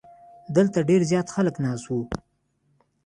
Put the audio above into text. دلته ډیر زیات خلک ناست وو.